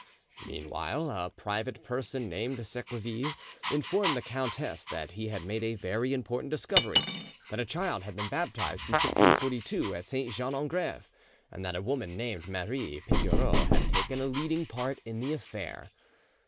Meanwhile, a private person named Sequeville informed the countess that he had made a very important discovery; that a child had been baptized in 1642 at St. Jean en Greve, and that a woman named Marie Pigoreau had taken a leading part in the affair.